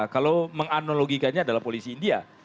kalau menganalogikannya adalah polisi india